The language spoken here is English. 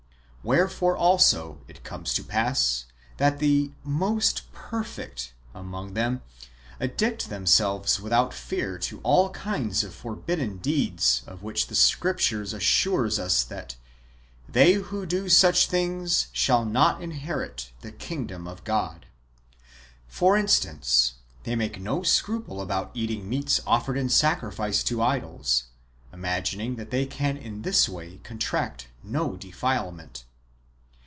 Wherefore also it comes to pass, that the "most perfect" among them addict themselves without fear to all those kinds of forbidden deeds of which the Scriptures assure us that " they who do such things shall not inherit the kingdom of God."^ For instance, they make no scruple about eating meats offered in sacrifice to idols, imagining that they can in this way contract no defilement.